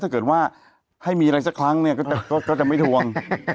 ถ้าเกิดว่าให้มีอะไรสักครั้งเนี่ยก็จะไม่ทวง